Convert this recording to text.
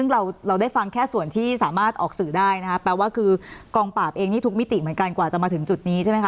ซึ่งเราได้ฟังแค่ส่วนที่สามารถออกสื่อได้นะคะแปลว่าคือกองปราบเองนี่ทุกมิติเหมือนกันกว่าจะมาถึงจุดนี้ใช่ไหมค